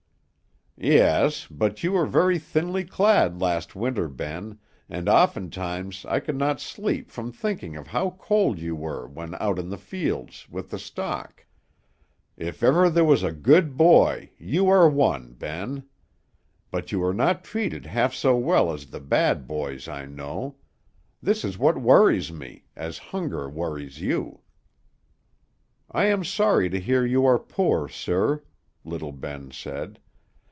"Yes; but you were very thinly clad last winter, Ben, and oftentimes I could not sleep from thinking of how cold you were when out in the fields with the stock. If ever there was a good boy, you are one, Ben; but you are not treated half so well as the bad boys I know. This is what worries me, as hunger worries you." "I am sorry to hear you are poor, sir," little Ben said.